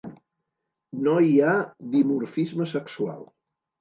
No hi ha dimorfisme sexual.